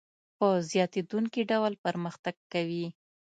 په زیاتېدونکي ډول پرمختګ کوي